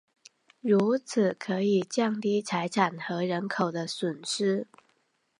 如此可以降低财产和人口的损失。